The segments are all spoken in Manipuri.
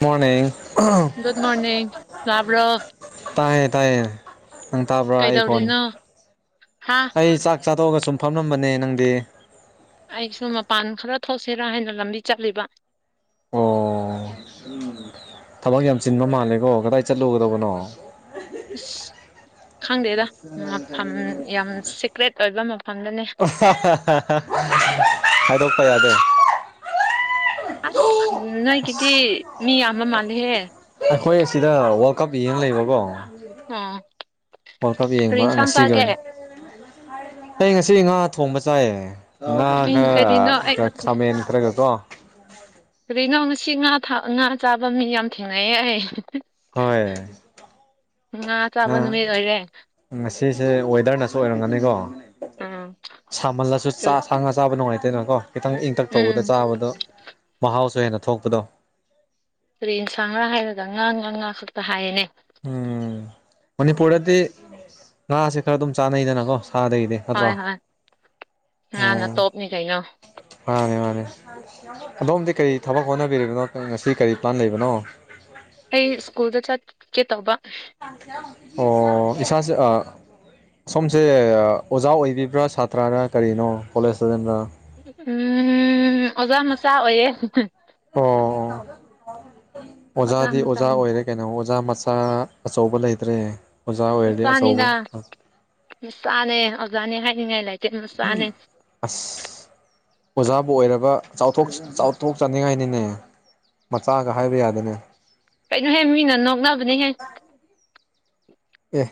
ꯃꯣꯔꯅꯤꯡ ꯒꯨꯗ ꯃꯣꯔꯅꯤꯡ ꯇꯕ꯭ꯔꯣ ꯇꯥꯏ ꯇꯥꯏ ꯅꯪ ꯇꯥꯕ꯭ꯔꯥ ꯑꯩ ꯀꯣꯟ ꯀꯩꯗꯧꯔꯤꯅꯣ ꯍꯥ ꯑꯩ ꯆꯥꯛ ꯆꯥꯊꯣꯛꯑꯒ ꯁꯨꯝ ꯐꯝꯂꯝꯕꯅꯦ ꯅꯪꯗꯤ ꯑꯩꯁꯨ ꯃꯄꯥꯟ ꯈꯔ ꯊꯣꯛꯁꯤꯔꯥ ꯍꯥꯏꯅ ꯂꯝꯕꯤ ꯆꯠꯂꯤꯕ ꯑꯣ ꯊꯕꯛ ꯌꯥꯝ ꯆꯤꯟꯕ ꯃꯥꯜꯂꯦꯀꯣ ꯀꯗꯥꯏ ꯆꯠꯂꯨꯒꯗꯕꯅꯣ ꯑꯁ ꯈꯪꯗꯦꯗ ꯃꯐꯝ ꯌꯥꯝ ꯁꯤꯀ꯭ꯔꯦꯠ ꯑꯣꯏꯕ ꯃꯐꯝꯗꯅꯦ [unintelligible] ꯍꯥꯏꯗꯣꯛꯄ ꯌꯥꯗꯦ ꯑꯁ ꯅꯣꯏꯒꯤꯗꯤ ꯃꯤ ꯌꯥꯝꯕ ꯃꯥꯜꯂꯦꯍꯦ ꯑꯩꯈꯣꯏ ꯑꯁꯤꯗ ꯋꯥꯔꯜ ꯀꯞ ꯌꯦꯡ ꯂꯩꯕꯀꯣ ꯑꯣ ꯋꯥꯔꯜ ꯀꯞ ꯀꯔꯤ ꯌꯦꯡꯕ ꯏꯟꯁꯥꯡ ꯉꯁꯤꯒ ꯆꯥꯒꯦ ꯑꯩ ꯉꯁꯤ ꯉꯥ ꯊꯣꯡꯕ ꯆꯥꯏꯌꯦ ꯑꯩ ꯉꯥꯒ ꯀꯔꯤꯅꯣ ꯑꯩ ꯈꯃꯦꯟ ꯈꯔꯒ ꯀꯣ ꯀꯔꯤꯅꯣ ꯉꯁꯤ ꯉꯥ ꯊꯥ ꯉꯥ ꯆꯥꯕ ꯃꯤ ꯌꯥꯝ ꯊꯦꯡꯅꯩꯌꯦ ꯑꯩ ꯍꯣꯏ ꯉꯥ ꯆꯥꯕ ꯅꯪ ꯅꯨꯃꯤꯠ ꯑꯣꯏꯔꯦ ꯉꯁꯤꯁꯦ ꯋꯦꯗꯔꯅꯁꯨ ꯑꯣꯏꯔꯝꯒꯅꯤꯀꯣ ꯎꯝ ꯁꯥꯃꯜꯂꯁꯨ ꯀꯔꯤ ꯆꯥꯛ ꯁꯥ ꯉꯥ ꯆꯥꯕ ꯅꯨꯡꯉꯥꯏꯇꯦꯗ ꯀꯣ ꯈꯤꯇꯪꯗꯤ ꯏꯪꯇꯛ ꯎꯝ ꯇꯧꯕꯗ ꯆꯥꯕꯗꯣ ꯃꯍꯥꯎꯁꯨ ꯍꯦꯟꯅ ꯊꯣꯛꯄꯗꯣ ꯀꯔꯤ ꯏꯟꯁꯥꯡꯂ ꯍꯥꯏꯔꯒ ꯉꯥ ꯉꯥ ꯉꯥ ꯈꯛꯇ ꯍꯥꯏꯌꯦꯅꯦ ꯎꯝ ꯃꯅꯤꯄꯨꯔꯗꯗꯤ ꯉꯥꯁꯦ ꯈꯔ ꯑꯗꯨꯝ ꯆꯥꯅꯩꯗꯅꯀꯣ ꯁꯥꯗꯒꯤꯗꯤ ꯅꯠꯇ꯭ꯔꯣ ꯍꯣꯏ ꯍꯣꯏ ꯉꯥꯅ ꯎꯝ ꯇꯣꯞꯅꯤ ꯀꯩꯅꯣ ꯃꯥꯅꯦ ꯃꯥꯅꯦ ꯑꯗꯣꯝꯗꯤ ꯀꯔꯤ ꯊꯕꯛ ꯍꯣꯠꯅꯕꯤꯔꯤꯕꯅꯣ ꯉꯁꯤ ꯀꯔꯤ ꯄ꯭ꯂꯥꯟ ꯂꯩꯕꯅꯣ ꯑꯩ ꯁ꯭ꯀꯨꯜꯗ ꯆꯠꯀꯦ ꯇꯧꯕ ꯑꯣ ꯏꯁꯥꯖꯦ ꯑ ꯁꯣꯝꯁꯦ ꯑꯣꯖꯥ ꯑꯣꯏꯕꯤꯕ꯭ꯔꯥ ꯁꯥꯇ꯭ꯔꯔ ꯀꯔꯤꯅꯣ ꯀꯣꯂꯦꯖ ꯂꯣꯁꯤꯟꯕꯔ ꯎꯝ ꯑꯣꯖꯥ ꯃꯆꯥ ꯑꯣꯏꯌꯦ ꯑꯣ ꯑꯣꯖꯥꯗꯤ ꯑꯣꯖꯥ ꯑꯣꯏꯔꯦ ꯀꯩꯅꯣ ꯑꯣꯖꯥ ꯃꯆꯥ ꯑꯆꯧꯕ ꯂꯩꯇ꯭ꯔꯦ ꯑꯣꯖꯥ ꯑꯣꯏꯔꯗꯤ ꯑꯆꯧꯕ ꯃꯆꯥꯅꯤꯅ ꯃꯆꯥꯅꯦ ꯑꯣꯖꯥꯅꯦ ꯍꯥꯏꯅꯤꯡꯉꯥꯏ ꯂꯩꯇꯦ ꯃꯆꯥꯅꯦ ꯑꯁ ꯑꯣꯖꯥꯕꯨ ꯑꯣꯏꯔꯕ ꯆꯥꯎꯊꯣꯛ ꯆꯥꯎꯊꯣꯛꯆꯅꯤꯡꯉꯥꯏꯅꯤꯅꯦ ꯃꯆꯥꯒ ꯍꯥꯏꯕ ꯌꯥꯗꯅꯦ ꯀꯩꯅꯣꯍꯦ ꯃꯤꯅ ꯅꯣꯛꯅꯕꯅꯤꯍꯦ ꯑꯦ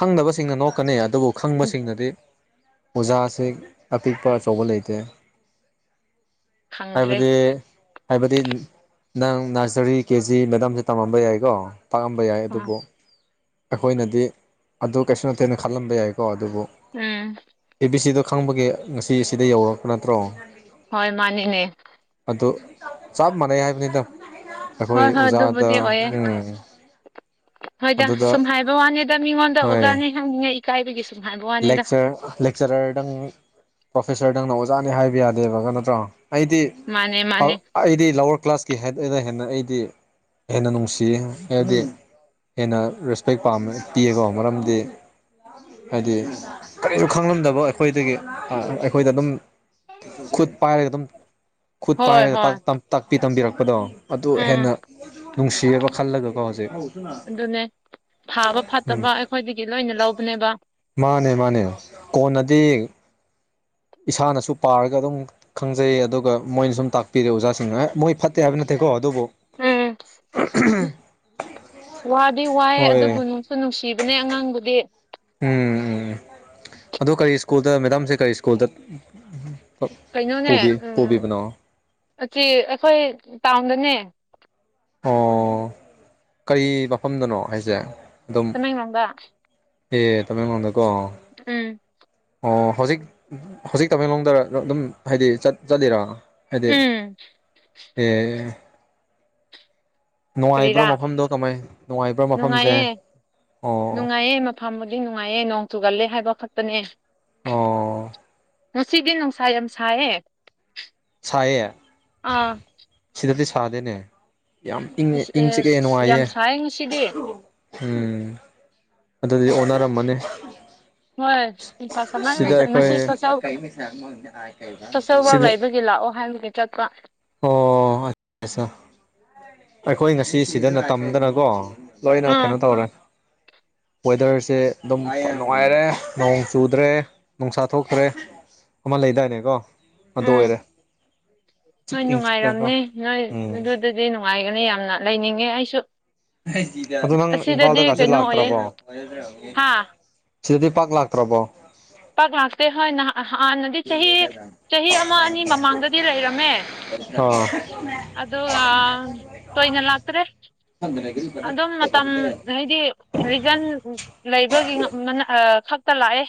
ꯈꯪꯗꯕꯁꯤꯡꯅ ꯅꯣꯛꯀꯅꯤ ꯑꯗꯨꯕꯨ ꯈꯪꯕꯁꯤꯡꯅꯗꯤ ꯑꯣꯖꯥꯁꯦ ꯑꯄꯤꯛꯄ ꯑꯆꯧꯕ ꯂꯩꯇꯦ ꯈꯪꯗ꯭ꯔꯦ ꯍꯥꯏꯕꯗꯤ ꯍꯥꯏꯕꯗꯤ ꯅꯪ ꯅꯔꯁꯔꯤ ꯀꯦ ꯖꯤ ꯃꯦꯗꯥꯝꯁꯦ ꯇꯝꯃꯝꯕ ꯌꯥꯏꯀꯣ ꯇꯥꯛꯑꯝꯕ ꯌꯥꯏ ꯑꯗꯨꯕꯨ ꯑꯩꯈꯣꯏꯅꯗꯤ ꯑꯗꯨ ꯀꯩꯁꯨ ꯅꯠꯇꯦꯅ ꯈꯜꯂꯝꯕ ꯌꯥꯏꯀꯣ ꯑꯗꯨꯕꯨ ꯎꯝ ꯑꯦ ꯕꯤ ꯁꯤꯗꯣ ꯈꯪꯕꯒꯤ ꯉꯁꯤ ꯁꯤꯗ ꯌꯧꯔꯛꯄ ꯅꯠꯇ꯭ꯔꯣ ꯍꯣꯏ ꯃꯥꯅꯤꯅꯦ ꯑꯗꯨ ꯆꯞ ꯃꯥꯟꯅꯩ ꯍꯥꯏꯕꯅꯤꯗ ꯍꯣꯏ ꯑꯩꯈꯣꯏ ꯍꯣꯏ ꯑꯣꯖꯥꯗ ꯑꯗꯨꯕꯨꯗꯤ ꯑꯣꯏꯌꯦ ꯎꯝ ꯍꯣꯏꯗ ꯑꯗꯨꯗ ꯁꯨꯝ ꯍꯥꯏꯕ ꯋꯥꯅꯤꯗ ꯃꯤꯉꯣꯟꯗ ꯍꯣꯏ ꯑꯣꯖꯥꯅꯤ ꯍꯪꯅꯤꯡꯉꯥꯏ ꯏꯀꯥꯏꯕꯒꯤ ꯁꯨꯝ ꯍꯥꯏꯕ ꯋꯥꯅꯤ ꯂꯦꯛꯆꯔ ꯂꯦꯛꯆꯔꯔꯗꯪ ꯄ꯭ꯔꯣꯐꯦꯁꯔꯗꯪꯅ ꯑꯣꯖꯥꯅꯤ ꯍꯥꯏꯕ ꯌꯥꯗꯦꯕ ꯅꯠꯇ꯭ꯔꯣ ꯑꯩꯗꯤ ꯃꯥꯅꯦ ꯃꯥꯅꯦ ꯑꯩꯗꯤ ꯂꯋꯔ ꯀ꯭ꯂꯥꯁꯀꯤ [unintelligible] ꯍꯦꯟꯅ ꯑꯩꯗꯤ ꯍꯦꯟꯅ ꯅꯨꯡꯁꯤꯌꯦ ꯍꯥꯏꯗꯤ ꯍꯦꯟꯅ ꯔꯦꯁꯄꯦꯛ ꯄꯥꯝꯃꯦ ꯄꯤꯌꯦꯀꯣ ꯃꯔꯝꯗꯤ ꯍꯥꯏꯗꯤ ꯀꯔꯤꯈꯨ ꯈꯪꯂꯝꯗꯕ ꯑꯩꯈꯣꯏꯗꯒꯤ ꯑꯩꯈꯣꯏꯗ ꯑꯗꯨꯝ ꯈꯨꯠ ꯄꯥꯏꯔꯒ ꯑꯗꯨꯝ ꯈꯨꯠ ꯍꯣꯏ ꯄꯥꯏꯔꯒ ꯇꯥꯛ ꯍꯣꯏ ꯇꯝ ꯇꯥꯛꯄꯤ ꯇꯝꯕꯤꯔꯛꯄꯗꯣ ꯑꯗꯨ ꯎꯝ ꯍꯦꯟꯅ ꯅꯨꯡꯁꯤꯌꯦꯕ ꯈꯜꯂꯒꯀꯣ ꯍꯧꯖꯤꯛ ꯑꯗꯨꯅꯦ ꯊꯥꯕ ꯐꯠꯇꯕ ꯑꯩꯈꯣꯏꯗꯒꯤ ꯂꯣꯏꯅ ꯂꯧꯕꯅꯦꯕ ꯃꯥꯅꯦ ꯃꯥꯅꯦ ꯀꯣꯟꯅꯗꯤ ꯏꯁꯥꯅꯁꯨ ꯄꯥꯔꯒ ꯑꯗꯨꯝ ꯈꯪꯖꯩ ꯑꯗꯨꯒ ꯃꯣꯏꯅ ꯁꯨꯝ ꯇꯥꯛꯄꯤꯔꯦ ꯑꯣꯖꯥꯁꯤꯡꯅ ꯃꯣꯏ ꯐꯠꯇꯦ ꯍꯥꯏꯕ ꯅꯠꯇꯦꯀꯣ ꯑꯗꯨꯕꯨ ꯎꯝ ꯋꯥꯗꯤ ꯋꯥꯏꯑꯦ ꯍꯣꯏ ꯑꯗꯨꯕꯨ ꯅꯨꯡ ꯗꯨ ꯅꯨꯡꯁꯤꯕꯅꯦ ꯑꯉꯥꯡꯕꯨꯗꯤ ꯎꯝ ꯑꯗꯣ ꯀꯔꯤ ꯁ꯭ꯀꯨꯜꯗ ꯃꯦꯗꯥꯝꯁꯦ ꯀꯔꯤ ꯁ꯭ꯀꯨꯜꯗ ꯀꯞ ꯄꯨꯕꯤ ꯄꯨꯕꯤꯕ ꯅꯣ ꯑꯀꯤ ꯑꯩꯈꯣꯏ ꯇꯥꯎꯟꯗꯅꯦ ꯑꯣ ꯀꯩ ꯃꯐꯝꯗꯅꯣ ꯍꯥꯏꯖꯦ ꯇꯃꯦꯡꯂꯣꯡꯗ ꯑꯦ ꯇꯃꯦꯡꯂꯣꯡꯗꯀꯣ ꯎꯝ ꯑꯣ ꯍꯧꯖꯤꯛ ꯍꯧꯖꯤꯛ ꯇꯃꯦꯡꯂꯣꯡꯗꯔ ꯑꯗꯨꯝ ꯍꯥꯏꯗꯤ ꯆꯠꯂꯤꯔꯥ ꯍꯥꯏꯗꯤ ꯎꯝ ꯑꯦ ꯅꯨꯡꯉꯥꯏꯕ꯭ꯔꯥ ꯀꯔꯤꯔꯥ ꯃꯐꯝꯗꯣ ꯀꯃꯥꯏ ꯅꯨꯡꯉꯥꯏꯕ꯭ꯔꯥ ꯃꯐꯝꯁꯦ ꯑꯣ ꯐꯝꯕꯗꯤ ꯅꯨꯡꯉꯥꯏꯌꯦ ꯅꯣꯡ ꯆꯨꯒꯜꯂꯦ ꯍꯥꯏꯕ ꯈꯛꯇꯅꯦ ꯑꯣ ꯉꯁꯤꯗꯤ ꯅꯨꯡꯁꯥ ꯌꯥꯝ ꯁꯥꯏꯌꯦ ꯁꯥꯏꯌꯦ ꯑꯥ ꯁꯤꯗꯗꯤ ꯁꯥꯗꯦꯅꯦ ꯌꯥꯝ ꯏꯪꯉꯦ ꯏꯪ ꯆꯤꯛꯑꯦ ꯑꯁ ꯌꯥꯝ ꯅꯨꯡꯉꯥꯏꯌꯦ ꯁꯥꯏ ꯉꯁꯤꯗꯤ ꯎꯝ ꯑꯗꯨꯗꯤ ꯑꯣꯟꯅꯔꯝꯃꯅꯤ ꯍꯣꯏ ꯅꯨꯡꯁꯥ ꯁꯥꯃꯟ ꯁꯤꯗ ꯉꯁꯤ ꯑꯩꯈꯣꯏ ꯊꯥꯕꯛ ꯁꯤꯗ ꯂꯩꯕꯒꯤ ꯂꯥꯛꯑꯣ ꯍꯥꯏꯕꯒꯤ ꯆꯠꯄ ꯑꯣ ꯑꯥꯁꯥ ꯑꯩꯈꯣꯏ ꯉꯁꯤ ꯁꯤꯗꯅ ꯇꯝꯗꯅꯀꯣ ꯂꯣꯏꯅ ꯀꯩꯅꯣ ꯎꯝ ꯇꯧꯔꯦ ꯋꯦꯗꯔꯁꯦ ꯑꯗꯨꯝ ꯅꯨꯡꯉꯥꯏꯔꯦ ꯅꯣꯡ ꯆꯨꯗ꯭ꯔꯦ ꯅꯨꯡꯁꯥ ꯊꯣꯛꯇ꯭ꯔꯦ ꯑꯃ ꯂꯩꯗꯥꯏꯅꯦ ꯀꯣ ꯑꯗꯨ ꯎꯝ ꯑꯣꯏꯔꯦ ꯆꯤꯛ ꯍꯣꯏ ꯏꯪ ꯆꯤꯛꯅꯀꯣ ꯅꯨꯡꯉꯥꯏꯔꯝꯅꯦ ꯅꯣꯏ ꯎꯝ ꯑꯗꯨꯗꯗꯤ ꯅꯨꯡꯉꯥꯏꯒꯅꯤ ꯌꯥꯝꯅ ꯂꯩꯅꯤꯡꯉꯦ ꯑꯩꯁꯨ ꯑꯗꯨ ꯅꯪ ꯑꯁꯤꯗꯗꯤ ꯏꯝꯐꯥꯜꯗꯒꯥꯁꯦ ꯀꯩꯅꯣ ꯑꯣꯏꯌꯦ ꯂꯥꯛꯇ꯭ꯔꯥꯕꯣ ꯍꯥ ꯁꯤꯗꯗꯤ ꯄꯥꯛ ꯂꯥꯛꯇ꯭ꯔꯕꯣ ꯄꯥꯛ ꯂꯥꯛꯇꯦ ꯍꯣꯏ ꯅꯍꯥꯟ ꯍꯥꯟꯅꯗꯤ ꯆꯍꯤ ꯆꯍꯤ ꯑꯃ ꯑꯅꯤ ꯃꯃꯥꯡꯗꯗꯤ ꯂꯩꯔꯝꯃꯦ ꯑꯥ ꯑꯗꯨꯒꯥ ꯇꯣꯏꯅ ꯂꯥꯛꯇ꯭ꯔꯦ ꯑꯗꯨꯝ ꯃꯇꯝ ꯍꯥꯏꯗꯤ ꯔꯤꯖꯟ ꯂꯩꯕꯒꯤ ꯈꯛꯇ ꯂꯥꯛꯑꯦ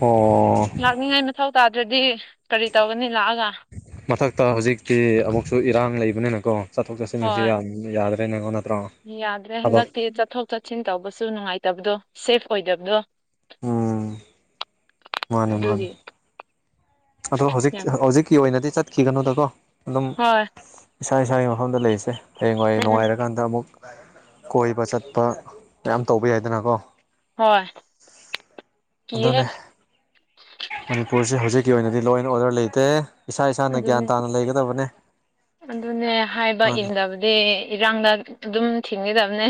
ꯑꯣ ꯂꯥꯛꯅꯤꯡꯉꯥꯏ ꯃꯊꯧ ꯇꯥꯗ꯭ꯔꯥꯗꯤ ꯀꯔꯤ ꯇꯧꯒꯅꯤ ꯂꯥꯛꯑꯒ ꯃꯊꯛꯇ ꯍꯧꯖꯤꯛꯇꯤ ꯑꯃꯨꯛꯁꯨ ꯏꯔꯥꯡ ꯂꯩꯕꯅꯤꯅꯀꯣ ꯆꯠꯊꯣꯛ ꯆꯠꯁꯤꯟꯁꯤ ꯍꯣꯏ ꯌꯥꯝ ꯌꯥꯗ꯭ꯔꯦ ꯅꯦꯀꯣ ꯅꯠꯇ꯭ꯔꯣ ꯌꯥꯗ꯭ꯔꯦ ꯊꯕꯛ ꯍꯟꯗꯛꯇꯤ ꯆꯠꯊꯣꯛ ꯆꯠꯁꯤꯟ ꯇꯧꯕꯁꯨ ꯅꯨꯡꯉꯥꯏꯇꯕꯗꯣ ꯁꯦꯐ ꯑꯣꯏꯗꯕꯗꯣ ꯎꯝ ꯃꯥꯅꯦ ꯃꯥꯅꯦ ꯑꯗꯨꯒꯤ ꯑꯗꯣ ꯍꯧꯖꯤꯛ ꯌꯥꯝ ꯍꯧꯖꯤꯛꯀꯤ ꯑꯣꯏꯅꯗꯤ ꯆꯠꯈꯤꯒꯅꯨꯗꯀꯣ ꯑꯗꯨꯝ ꯍꯣꯏ ꯏꯁꯥ ꯏꯁꯥꯒꯤ ꯃꯐꯝꯗ ꯂꯩꯔꯤꯁꯦ ꯍꯌꯦꯡꯋꯥꯏ ꯎꯝ ꯅꯨꯡꯉꯥꯏꯔꯛ ꯀꯥꯟꯗ ꯑꯃꯨꯛ ꯀꯣꯏꯕ ꯆꯠꯄ ꯃꯌꯥꯝ ꯇꯧꯕ ꯌꯥꯏꯗꯅꯀꯣ ꯍꯣꯏ ꯀꯤꯍꯦ ꯑꯗꯨꯅꯦ ꯃꯅꯤꯄꯨꯔꯁꯦ ꯍꯧꯖꯤꯛ ꯒꯤ ꯑꯣꯏꯅꯗꯤ ꯂꯣ ꯑꯦꯟ ꯑꯣꯔꯗ꯭ꯔ ꯂꯩꯇꯦ ꯏꯁꯥ ꯏꯁꯥꯅ ꯒ꯭ꯌꯥꯟ ꯑꯗꯨꯅꯦ ꯇꯥꯅ ꯂꯩꯒꯗꯕꯅꯦ ꯑꯗꯨꯅꯦ ꯍꯥꯏꯕ ꯃꯥꯅꯦ ꯏꯟꯗꯕ ꯗꯦ ꯏꯔꯥꯡꯗ ꯑꯗꯨꯝ ꯊꯤꯡꯒꯥꯗꯕꯅꯦ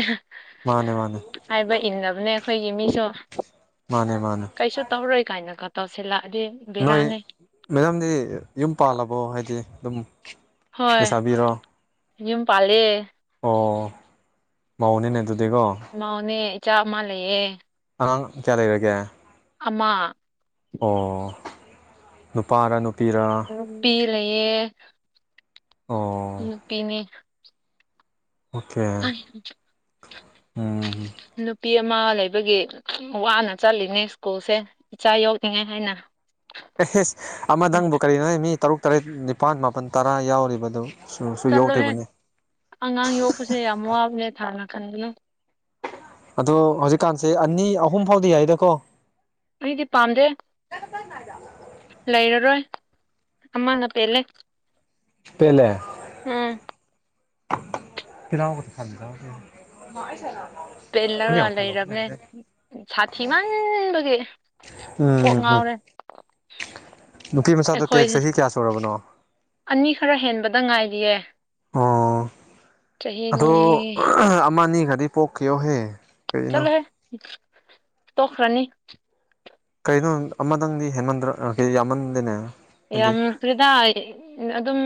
ꯃꯥꯅꯦ ꯃꯥꯅꯦ ꯍꯥꯏꯕ ꯏꯟꯅꯕꯅꯦ ꯑꯩꯈꯣꯏꯒꯤ ꯃꯤꯁꯨ ꯃꯥꯅꯦ ꯃꯥꯅꯦ ꯀꯩꯁꯨ ꯇꯧꯔꯣꯏ ꯀꯥꯏꯅꯒ ꯇꯧꯁꯤꯜꯂꯛꯑꯗꯤ ꯅꯣꯏ ꯕꯦꯔꯥꯅꯤ ꯃꯦꯗꯥꯝꯗꯤ ꯌꯨꯝ ꯄꯥꯜꯂꯕꯣ ꯍꯥꯏꯗꯤ ꯑꯗꯨꯝ ꯍꯣꯏ ꯂꯩꯁꯥꯕꯤꯔꯣ ꯌꯨꯝ ꯄꯥꯜꯂꯦ ꯑꯣ ꯃꯧꯅꯤꯅꯦ ꯑꯗꯨꯗꯤꯀꯣ ꯃꯥꯎꯅꯦ ꯏꯆꯥ ꯑꯃ ꯂꯩꯌꯦ ꯑꯉꯥꯡ ꯀ꯭ꯌꯥ ꯂꯩꯔꯥꯒꯦ ꯑꯃ ꯑꯣ ꯅꯨꯄꯥꯔ ꯅꯨꯄꯤꯔ ꯅꯨꯞꯄꯤ ꯂꯩꯌꯦ ꯑꯣ ꯅꯨꯄꯤꯅꯦ ꯑꯣꯀꯦ [unintelligible] ꯎꯝ ꯅꯨꯞ ꯄꯤ ꯑꯃ ꯂꯩꯕꯒꯤ ꯋꯥꯅ ꯆꯠꯂꯤꯝꯅꯦ ꯁ꯭ꯀꯨꯜꯁꯦ ꯏꯆꯥ ꯌꯣꯛꯅꯤꯡꯉꯥꯏ ꯍꯥꯏꯅ ꯑꯦ ꯍꯤꯁ ꯑꯃꯗꯪꯕꯨ ꯀꯔꯤꯅꯣꯍꯦ ꯃꯤ ꯇꯔꯨꯛ ꯇꯔꯦꯠ ꯅꯤꯄꯥꯜ ꯃꯥꯄꯜ ꯇꯔꯥ ꯌꯥꯎꯔꯤꯕꯗꯨ ꯁꯨ ꯆꯠꯂꯣꯍꯦ ꯌꯧꯗ꯭ꯔꯤꯕꯅꯤ ꯑꯉꯥꯡ ꯌꯣꯛꯄꯁꯦ ꯌꯥꯝ ꯋꯥꯕꯅꯦ ꯊꯥ [unintelligible] ꯑꯗꯣ ꯍꯧꯖꯤꯛꯀꯥꯟꯁꯦ ꯑꯅꯤ ꯑꯍꯨꯝ ꯐꯥꯎꯗꯤ ꯌꯥꯏꯗꯀꯣ ꯑꯩꯗꯤ ꯄꯥꯝꯗꯦ ꯂꯩꯔꯔꯣꯏ ꯑꯃꯅ ꯄꯦꯜꯂꯦ ꯄꯦꯟꯂꯦ ꯎꯝ [unintelligible] ꯄꯦꯜꯂꯒ ꯂꯩꯔꯕꯅꯦ ꯁꯥꯊꯤ ꯃꯥꯟꯕꯒꯤ ꯎꯝ ꯍꯨ ꯅꯨꯄꯤ ꯃꯆꯥꯗꯣ ꯑꯩꯈꯣꯏ ꯀ꯭ꯔꯦꯛ ꯆꯍꯤ ꯀꯌꯥ ꯁꯨꯔꯕꯅꯣ ꯑꯅꯤ ꯈꯔ ꯍꯦꯟꯕꯗ ꯉꯥꯏꯔꯤꯌꯦ ꯑꯣ ꯑꯗꯣ ꯆꯍꯤꯅꯤ ꯑꯃꯅꯤꯒꯗꯤ ꯄꯣꯛꯈꯤꯌꯣꯍꯦ ꯀꯔꯤꯅꯣ ꯆꯠꯂꯣꯍꯦ ꯇꯣꯛꯈꯔꯅꯤ ꯀꯩꯅꯣ ꯑꯃꯗꯪꯗꯤ ꯍꯦꯟꯃꯟꯗ꯭ꯔ ꯑ ꯍꯦ ꯌꯥꯝꯃꯟꯗꯦꯅꯦ ꯍꯥꯏꯗꯤ ꯌꯥꯝ ꯐ꯭ꯔꯤꯗꯥ ꯑꯗꯨꯝ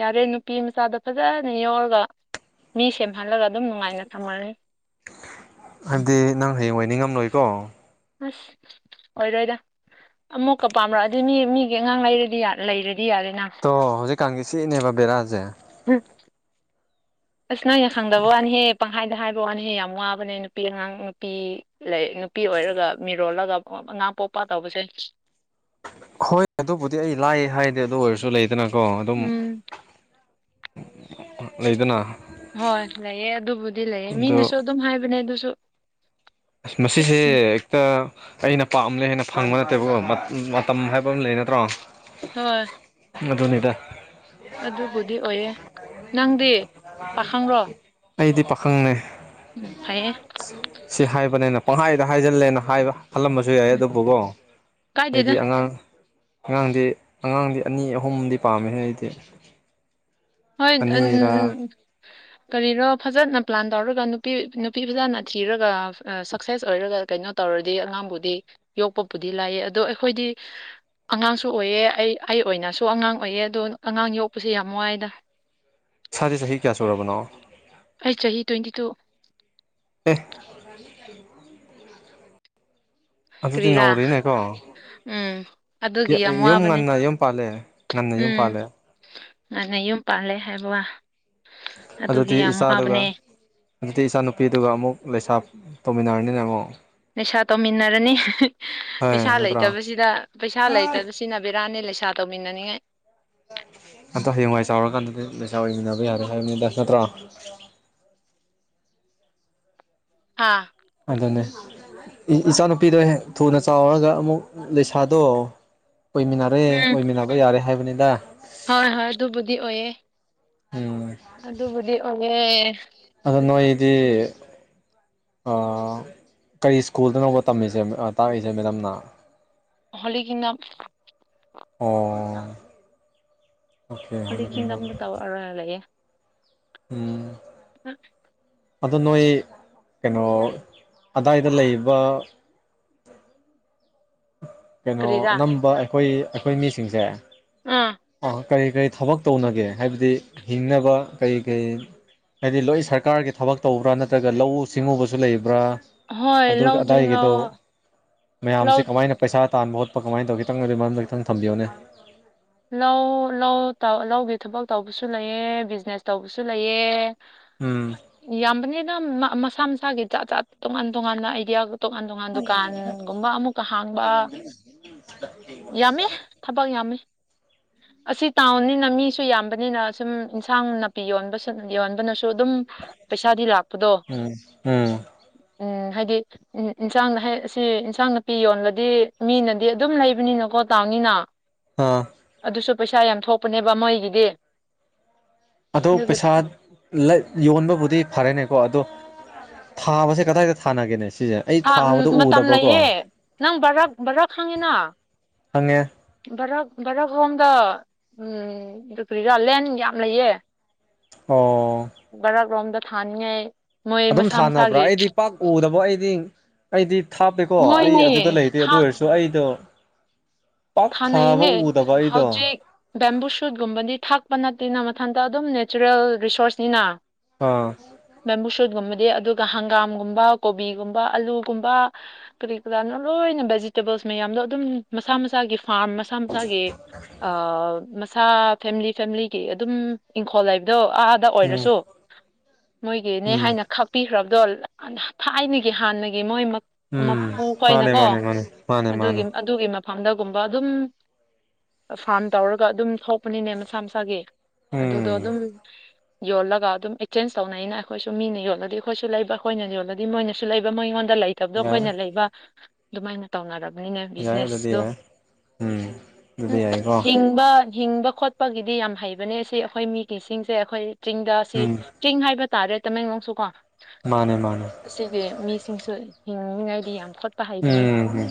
ꯌꯥꯔꯦ ꯅꯨꯄꯤ ꯃꯆꯥꯗꯣ ꯐꯖꯅ ꯌꯣꯔꯒ ꯃꯤ ꯁꯦꯝꯍꯜꯂꯒ ꯑꯗꯨꯝ ꯅꯨꯡꯉꯥꯏꯅ ꯊꯝꯉꯅꯤ ꯍꯥꯏꯕꯗꯤ ꯅꯪ ꯍꯌꯦꯡꯋꯤꯏ ꯅꯤꯡꯉꯝꯂꯣꯏꯀꯣ ꯑꯁ ꯑꯣꯏꯔꯣꯏꯗ ꯑꯃꯨꯛꯀ ꯄꯥꯝꯔꯛꯑꯗꯤ ꯃꯤ ꯃꯤꯒꯤ ꯑꯉꯥꯡ ꯂꯩꯔꯗꯤ ꯂꯩꯔꯗꯤ ꯌꯥꯔꯦꯅ ꯇꯣ ꯍꯧꯖꯤꯛꯀꯥꯟꯒꯤ ꯁꯤꯅꯦꯕ ꯕꯦꯔꯥꯖꯦ [unintelligible] ꯑꯁ ꯅꯣꯏꯅ ꯈꯪꯗꯕ ꯋꯥꯅꯤꯍꯦ ꯄꯪꯍꯥꯏꯗ ꯍꯥꯏꯕ ꯋꯥꯅꯤꯍꯦ ꯌꯥꯝ ꯋꯥꯕꯅꯦ ꯅꯨꯄꯤ ꯑꯉꯥꯡ ꯅꯨꯄꯤ ꯂꯩ ꯅꯨꯄꯤ ꯑꯣꯏꯔꯒ ꯃꯤꯔꯣꯜꯂꯒꯒꯣ ꯑꯉꯥꯡ ꯄꯣꯛꯄ ꯇꯧꯕꯁꯦ ꯍꯣꯏ ꯑꯗꯨꯕꯨꯗꯤ ꯑꯩ ꯂꯥꯏ ꯍꯥꯏꯗꯦ ꯑꯗꯨ ꯑꯣꯏꯔꯁꯨ ꯂꯩꯗꯅꯀꯣ ꯑꯗꯨꯝ ꯎꯝ ꯂꯩꯗꯨꯅ ꯍꯣꯏ ꯂꯩꯌꯦ ꯑꯗꯨꯕꯨꯗꯤ ꯂꯩꯌꯦ ꯑꯗꯣ ꯃꯤꯅꯁꯨ ꯑꯗꯨꯝ ꯍꯥꯏꯕꯅꯦ ꯑꯗꯨꯁꯨ ꯑꯁ ꯃꯁꯤꯁꯦ ꯀ ꯑꯩꯅ ꯄꯥꯝꯂꯦ ꯍꯥꯏꯅ ꯐꯪꯕ ꯅꯠꯇꯦꯕꯣ ꯃꯠ ꯃꯇꯝ ꯍꯥꯏꯕ ꯑꯃ ꯂꯩ ꯅꯠꯇ꯭ꯔꯣ ꯍꯣꯏ ꯃꯗꯨꯅꯤꯗ ꯑꯗꯨꯕꯨꯗꯤ ꯑꯣꯏꯌꯦ ꯅꯪꯗꯤ ꯄꯥꯈꯪꯔꯣ ꯑꯩꯗꯤ ꯄꯥꯈꯪꯅꯦ ꯎꯝ ꯐꯩꯌꯦ ꯁꯤ ꯍꯥꯏꯕꯅꯦꯅ ꯄꯪꯍꯥꯏꯗ ꯍꯥꯏꯖꯜꯂꯦꯅ ꯍꯥꯏꯕ ꯍꯜꯂꯝꯃ ꯖꯨ ꯌꯥꯏꯌꯦ ꯎꯝ ꯑꯗꯨꯕꯨꯒꯣ ꯑꯦꯗꯤ ꯀꯥꯏꯗꯦꯗ ꯑꯉꯥꯡ ꯑꯉꯥꯡꯗꯤ ꯑꯉꯥꯡꯗꯤ ꯑꯅꯤ ꯑꯍꯨꯝꯗꯤ ꯄꯥꯝꯃꯦꯍꯦ ꯑꯩꯗꯤ ꯍꯣꯏ ꯑꯟ ꯑꯅꯤꯔꯥ ꯀꯔꯤꯔꯣ ꯐꯖꯅ ꯄ꯭ꯂꯥꯟ ꯇꯧꯔꯒ ꯅꯨꯄꯤ ꯅꯨꯄꯤ ꯐꯖꯅ ꯊꯤꯔꯒ ꯑ ꯁꯛꯁꯦꯁ ꯑꯣꯏꯔꯒ ꯀꯩꯅꯣ ꯇꯧꯔꯗꯤ ꯑꯉꯥꯡꯕꯨꯗꯤ ꯌꯣꯛꯄꯕꯨꯗꯤ ꯂꯥꯏꯌꯦ ꯑꯗꯣ ꯑꯩꯈꯣꯏꯗꯤ ꯑꯉꯥꯡꯁꯨ ꯑꯣꯏꯌꯦ ꯑꯩ ꯑꯩ ꯑꯣꯏꯅꯁꯨ ꯑꯉꯥꯡ ꯑꯣꯏꯌꯦ ꯑꯗꯣ ꯑꯉꯥꯡ ꯌꯣꯛꯄꯁꯦ ꯌꯥꯝ ꯋꯥꯏꯗ ꯏꯁꯥꯁꯦ ꯆꯍꯤ ꯀꯌꯥ ꯁꯨꯔꯕꯅꯣ ꯑꯩ ꯆꯍꯤ ꯇ꯭ꯋꯦꯟꯇꯤ ꯇꯨ ꯑꯦ ꯑꯗꯨꯗꯤ ꯀꯔꯤꯔꯥ ꯅꯧꯔꯤꯅꯦꯀꯣ ꯎꯝ ꯑꯗꯨꯒꯤ ꯌꯥꯝ ꯌꯨꯝ ꯋꯥꯕꯅꯦ ꯉꯟꯅ ꯌꯨꯝ ꯄꯥꯜꯂꯦ ꯉꯟꯅ ꯌꯨꯝ ꯎꯝ ꯄꯥꯜꯂꯦ ꯉꯟꯅ ꯌꯨꯝ ꯄꯥꯜꯂꯦ ꯍꯥꯏꯕ ꯑꯗꯨꯒꯤ ꯑꯗꯨꯗꯤ ꯌꯥꯝ ꯏꯆꯥꯗꯨꯒ ꯋꯥꯕꯅꯦ ꯃꯩꯇꯩ ꯏꯆꯥ ꯅꯨꯨꯄꯤꯗꯨꯒ ꯑꯃꯨꯛ ꯂꯩꯁꯥ ꯇꯧꯃꯤꯟꯅꯔꯅꯤꯅꯦ ꯑꯃꯨꯛ ꯄꯩꯁꯥ ꯇꯧꯃꯤꯟꯅꯔꯅꯤ ꯍꯣꯏ ꯄꯩꯁꯥ ꯅꯠꯇ꯭ꯔꯥ ꯂꯩꯇꯕꯁꯤꯗ ꯄꯩꯁꯥ ꯂꯩꯇꯕ ꯁꯤꯅ ꯕꯤꯔꯥꯅꯦ ꯂꯩꯁꯥ ꯇꯧꯃꯤꯟꯅꯅꯤꯡꯉꯥꯏ ꯑꯗꯣ ꯍꯌꯦꯡꯋꯥꯏ ꯆꯥꯎꯔꯀꯥꯟꯗꯗꯤ ꯂꯩꯁꯥ ꯑꯣꯏꯃꯤꯟꯅꯕ ꯌꯥꯒꯗꯔꯥ ꯍꯥꯏꯕꯅꯤꯗ ꯅꯠꯇ꯭ꯔꯥ ꯍꯥꯥ ꯑꯗꯨꯅꯦ ꯏꯆꯥꯅꯨꯄꯤꯗꯣ ꯍꯦꯡ ꯊꯨꯅ ꯆꯥꯎꯔꯒ ꯑꯃꯨꯛ ꯂꯩꯁꯥꯗꯣ ꯑꯣꯏꯃꯤꯟꯅꯔꯦ ꯎꯝ ꯑꯣꯏꯃꯤꯟꯅꯕ ꯌꯥꯔꯦ ꯍꯥꯏꯕꯅꯤꯗ ꯍꯣꯏ ꯍꯣꯏ ꯑꯗꯨꯕꯨꯗꯤ ꯑꯣꯏꯌꯦ ꯎꯝ ꯑꯗꯨꯕꯨꯗꯤ ꯑꯣꯏꯌꯦ ꯑꯗꯣ ꯅꯣꯏꯗꯤ ꯀꯔꯤ ꯁ꯭ꯀꯨꯜꯗꯅꯣꯕ ꯇꯝꯃꯤꯁꯦ ꯇꯔꯤꯁꯦ ꯃꯦꯗꯥꯝꯅ ꯍꯣꯂꯤ ꯀꯤꯡꯗꯝ ꯑꯣ ꯑꯣꯀꯦ ꯍꯣꯂꯤ ꯀꯤꯡꯗꯝꯗ ꯇꯧꯔꯒ ꯂꯩꯑꯦ ꯎꯝ [inaudible] ꯑꯗꯣ ꯅꯣꯏ ꯀꯩꯅꯣ ꯑꯗꯥꯏꯗ ꯂꯩꯕ ꯀꯩꯅꯣ ꯀꯔꯤꯔꯥ ꯑꯅꯝꯕ ꯑꯩꯈꯣꯏ ꯑꯩꯈꯣꯏ ꯃꯤꯁꯤꯡꯁꯦ ꯑꯥ ꯀꯔꯤ ꯀꯔꯤ ꯊꯕꯛ ꯇꯧꯅꯒꯦ ꯍꯥꯏꯕꯗꯤ ꯍꯤꯡꯅꯕ ꯀꯔꯤ ꯀꯔꯤ ꯍꯥꯏꯗꯤ ꯂꯣꯏ ꯁꯔꯀꯥꯔꯒꯤ ꯊꯕꯛ ꯇꯧꯕ꯭ꯔꯥ ꯅꯠꯇ꯭ꯔꯒ ꯂꯧꯎ ꯁꯤꯡꯎꯕꯁꯨ ꯂꯩꯕ꯭ꯔꯥ ꯍꯣꯏ ꯑꯗꯨ ꯂꯧ ꯆꯤꯡꯂꯧ ꯑꯗꯥꯏꯒꯤꯗꯣ ꯂꯧ ꯃꯌꯥꯝꯁꯦ ꯀꯃꯥꯏꯅ ꯄꯩꯁꯥ ꯇꯥꯟꯕ ꯈꯣꯠꯄ ꯀꯃꯥꯏ ꯇꯧ ꯈꯤꯇꯪ ꯑꯗꯨ ꯃꯔꯝ ꯈꯤꯇꯪ ꯊꯝꯕꯤꯌꯣꯅꯦ ꯂꯧ ꯂꯧ ꯂꯧꯒꯤ ꯊꯕꯛ ꯇꯧꯕꯁꯨ ꯂꯩꯑꯦ ꯕꯤꯖꯤꯅꯦꯁ ꯇꯧꯕꯁꯨ ꯂꯩꯌꯦ ꯎꯝ ꯌꯥꯝꯕꯅꯦꯅ ꯃꯁꯥ ꯃꯁꯥꯒꯤ ꯖꯠ ꯖꯥꯠ ꯇꯣꯉꯥꯟ ꯇꯣꯉꯥꯟꯅ ꯑꯥꯏꯗꯤꯌꯥ ꯇꯣꯉꯥꯟ ꯇꯣꯉꯥꯟ ꯗꯨꯀꯥꯟꯒꯨꯝꯕ ꯑꯃꯨꯛ ꯀꯍꯥꯡꯕ ꯌꯥꯝꯃꯦ ꯊꯕꯛ ꯌꯥꯝꯃꯦ ꯑꯁꯤ ꯇꯥꯎꯟꯅꯤꯅ ꯃꯤꯁꯨ ꯌꯥꯝꯕꯅꯤꯅ ꯁꯨꯝ ꯏꯟꯁꯥꯡ ꯅꯥꯄꯤ ꯌꯣꯟꯕꯁꯨ ꯌꯣꯟꯕꯅꯁꯨ ꯑꯗꯨꯝ ꯄꯩꯁꯥꯗꯤ ꯂꯥꯛꯄꯗꯣ ꯎꯝ ꯎꯝ ꯎꯝ ꯍꯥꯏꯗꯤ ꯎꯝ ꯏꯟꯁꯥꯡꯅ ꯍꯥꯏ ꯁꯤ ꯏꯟꯁꯥꯡ ꯅꯥꯄꯤ ꯌꯣꯟꯕꯗꯤ ꯃꯤꯅꯗꯤ ꯑꯗꯨꯝ ꯂꯩꯕꯅꯤꯅꯀꯣ ꯇꯥꯎꯅꯤꯅ ꯑꯥ ꯑꯗꯨꯁꯨ ꯄꯩꯁꯥ ꯌꯥꯝ ꯊꯣꯛꯄꯅꯦꯕ ꯃꯣꯏꯒꯤꯗꯤ ꯑꯗꯣ ꯑꯗꯨꯒꯤ ꯄꯩꯁꯥ ꯌꯣꯟꯕꯕꯨꯗꯤ ꯐꯔꯦꯅꯦꯀꯣ ꯑꯗꯣ ꯊꯥꯕꯁꯦ ꯀꯗꯥꯏꯗ ꯊꯥꯅꯒꯦꯅꯦ ꯁꯤꯁꯦ ꯑꯩ ꯥ ꯊꯥꯕꯗꯣ ꯃꯇꯝ ꯎꯗꯕꯀꯣ ꯂꯩꯌꯦ ꯅꯪ ꯕꯔ꯭ꯛ ꯕꯔꯥꯛ ꯈꯪꯉꯤꯅ ꯈꯪꯉꯦ ꯕꯔꯛ ꯕꯔꯛ ꯍꯣꯝꯗ ꯎꯝ ꯑꯗꯨ ꯀ꯭ꯔꯤꯔꯥ ꯂꯦꯟ ꯌꯥꯝ ꯂꯩꯌꯦ꯫ ꯑꯣ ꯕꯔꯛ ꯔꯣꯝꯗ ꯊꯥꯅꯤꯡꯉꯥꯏ ꯃꯣꯏ ꯑꯗꯨꯝ ꯃꯁꯥ ꯊꯥꯅꯕ꯭ꯔꯥ ꯃꯁꯥꯒꯤ ꯑꯩꯗꯤ ꯄꯥꯛ ꯎꯗꯕ ꯑꯩꯗꯤꯡ ꯑꯩꯗꯤ ꯊꯥꯞꯄꯦꯀꯣ ꯑꯩ ꯃꯣꯏꯅꯦ ꯑꯗꯨꯗ ꯂꯩꯇꯦ ꯊꯥ ꯑꯗꯨ ꯑꯣꯏꯔꯁꯨ ꯑꯩꯗꯣ ꯄꯥꯛ ꯊꯥꯕ ꯊꯥꯅꯩꯅꯦ ꯎꯗꯕ ꯑꯩꯗꯣ ꯍꯧꯖꯤꯛ ꯕꯦꯝꯕꯨ ꯁꯨꯠꯒꯨꯝꯕꯗꯤ ꯊꯥꯛꯄ ꯅꯠꯇꯦꯅ ꯃꯊꯟꯇ ꯑꯗꯨꯝ ꯅꯦꯆꯔꯦꯜ ꯔꯤꯁꯣꯔꯁꯅꯤꯅ꯫ ꯑꯥ ꯕꯦꯝꯕꯨ ꯁꯨꯠꯒꯨꯝꯕꯗꯤ ꯑꯗꯨꯒ ꯍꯪꯒꯥꯝꯒꯨꯝꯕ ꯀꯣꯕꯤꯒꯨꯝꯕ ꯑꯂꯨꯒꯨꯝꯕ꯫ ꯀꯔꯤ ꯀꯔꯥꯅꯣ ꯂꯣꯏꯅ ꯚꯦꯖꯤꯇꯦꯕꯜꯁ ꯃꯌꯥꯝꯗꯣ ꯑꯗꯨꯝ ꯃꯁꯥ ꯃꯁ ꯃꯁꯥꯒꯤ ꯐꯥꯔꯝ ꯃꯁꯥ ꯃꯁꯥꯒꯤ ꯑ ꯃꯁꯥ ꯐꯦꯃꯤꯂꯤ ꯐꯦꯃꯤꯂꯤꯒꯤ ꯑꯗꯨꯝ ꯏꯪꯈꯣꯜ ꯂꯩꯕꯗꯣ ꯑꯥ ꯑꯥꯗ ꯎꯝ ꯑꯣꯏꯔꯁꯨ ꯃꯣꯏꯒꯤꯅꯦ ꯎꯝ ꯍꯥꯏꯅ ꯈꯛ ꯄꯤꯈ꯭ꯔꯕꯗꯣ ꯊꯥꯏꯅꯒꯤ ꯍꯥꯟꯅꯒꯤ ꯃꯣꯏꯃꯛ ꯎꯝ ꯃꯄꯨ ꯃꯥꯅꯦ ꯈꯣꯏꯅꯀꯣ ꯃꯥꯅꯦ ꯃꯥꯅꯦ ꯃꯥꯅꯦ ꯑꯗꯨꯒꯤ ꯃꯥꯅꯦ ꯑꯗꯨꯒꯤ ꯃꯐꯝꯗꯒꯨꯝꯕ ꯑꯗꯨꯝ ꯐꯥꯝ ꯇꯧꯔꯒ ꯑꯗꯨꯝ ꯊꯣꯛꯄꯅꯤꯅꯦ ꯃꯁꯥ ꯃꯁꯥꯒꯤ ꯑꯗꯨꯗꯣ ꯎꯝ ꯑꯗꯨꯝ ꯌꯣꯜꯂꯒ ꯑꯗꯨꯝ ꯑꯦꯛꯆꯦꯟꯖ ꯇꯧꯅꯩꯅ ꯑꯩꯈꯣꯏꯁꯨ ꯃꯤꯅ ꯌꯣꯜꯂꯗꯤ ꯑꯩꯈꯣꯏꯁꯨ ꯂꯩꯕ ꯑꯩꯈꯣꯏꯅ ꯌꯣꯜꯂꯗꯤ ꯃꯣꯏꯅꯁꯨ ꯂꯩꯕ ꯃꯣꯏꯉꯣꯟꯗ ꯂꯩ ꯇꯕꯗꯣ ꯌꯥꯏ ꯑꯩꯈꯣꯏꯅ ꯂꯩꯕ ꯑꯗꯨꯃꯥꯏꯅ ꯇꯧꯅꯔꯕꯅꯤꯅꯦ ꯌꯥꯏ ꯑꯗꯨꯗꯤ ꯕꯤꯖꯤꯅꯦꯁꯗꯣ ꯌꯥꯏ ꯎꯝ ꯗꯨꯗꯤ ꯌꯥꯏꯒꯣ ꯕ ꯍꯤꯡꯕ ꯈꯣꯠꯄꯒꯤꯗꯤ ꯌꯥꯝ ꯍꯩꯕꯅꯦ ꯁꯤ ꯑꯩꯈꯣꯏ ꯃꯤꯒꯩꯁꯤꯡꯁꯦ ꯑꯩꯈꯣꯏ ꯆꯤꯡꯗ ꯁꯤ ꯎꯝ ꯆꯤꯡ ꯍꯥꯏꯕ ꯇꯥꯔꯦ ꯇꯃꯦꯡꯂꯣꯡꯁꯨ ꯀꯣ ꯃꯥꯅꯦ ꯃꯥꯅꯦ ꯑꯁꯤꯒꯤ ꯃꯤꯁꯤꯡꯁꯨ ꯍꯤꯡꯅꯤꯉꯥꯏꯗꯤ ꯌꯥꯝ ꯍꯣꯠ ꯎꯝ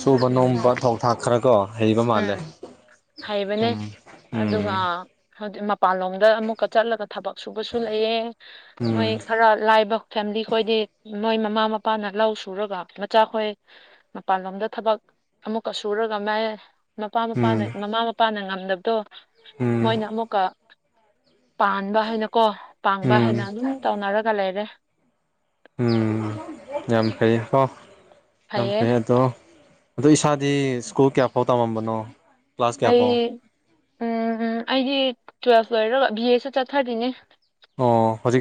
ꯁꯨꯕ ꯌꯥꯝ ꯅꯣꯝꯕ ꯊꯣꯛ ꯊꯥꯛ ꯈꯔ ꯀꯣ ꯍꯩꯕ ꯃꯥꯜꯂꯦ ꯎꯝ ꯎꯝ ꯎꯝ ꯎꯝ ꯍꯧꯗꯤ ꯃꯄꯥꯟꯂꯣꯝꯗ ꯑꯃꯨꯛꯀ ꯆꯠꯂꯒ ꯊꯕꯛ ꯁꯨꯕꯁꯨ ꯂꯩꯌꯦ ꯎꯝ ꯃꯣꯏ ꯈꯔ ꯂꯥꯏꯕ ꯐꯦꯃꯤꯂꯤ ꯈꯣꯏꯗꯤ ꯃꯣꯏ ꯃꯃꯥ ꯃꯄꯥꯅ ꯂꯧ ꯁꯨꯔꯒ ꯃꯆꯥꯈꯣꯏ ꯃꯄꯥꯟꯂꯣꯝꯗ ꯊꯕꯛ ꯀ ꯁꯨꯔꯒ ꯃꯥꯏ ꯃꯄꯥ ꯃꯄꯥꯅ ꯃꯃꯥ ꯃꯄꯥꯅ ꯉꯝꯗꯕꯗꯣ ꯎꯝ ꯃꯣꯏꯅ ꯑꯃꯨꯛꯀ ꯄꯥꯟꯕ ꯍꯥꯏꯅꯀꯣ ꯎꯝ ꯄꯥꯡꯕ ꯎꯝ ꯍꯥꯏꯅ ꯑꯗꯨꯝ ꯇꯧꯅꯔꯒ ꯂꯩꯔꯦ꯫ ꯎꯝ ꯌꯥꯝ ꯐꯩꯌꯦꯈꯣ ꯌꯥꯝ ꯐꯩꯌꯦ ꯐꯩ ꯑꯗꯣ ꯑꯗꯣ ꯏꯁꯥꯗꯤ ꯁ꯭ꯀꯨꯜ ꯀꯌꯥ ꯐꯥꯎ ꯇꯝꯃꯝꯕꯅꯣ꯫ ꯀ꯭ꯂꯥꯁ ꯀꯌꯥꯐꯥꯎ ꯑꯩ ꯎꯝ ꯑꯩꯒꯤ ꯇꯨꯋꯦꯜꯐ ꯂꯣꯏꯔꯒ ꯕꯤ ꯑꯦꯁꯨ ꯆꯠꯊꯔꯤꯅꯦ꯫ ꯑꯣ ꯍꯨꯖꯤꯛ